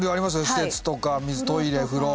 施設とか水トイレ風呂。